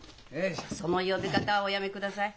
その呼び方はおやめください。